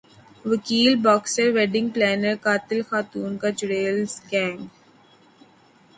وکیل boxer wedding planner قاتل خاتون کا چڑیلز گینگ